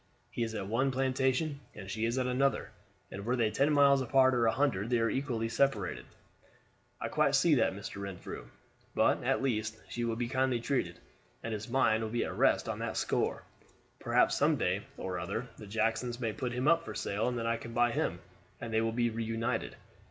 He is at one plantation and she is at another, and were they ten miles apart or a hundred, they are equally separated." "I quite see that, Mr. Renfrew; but, at least, she will be kindly treated, and his mind will be at rest on that score. Perhaps some day or other the Jacksons may put him up for sale, and then I can buy him, and they will be reunited.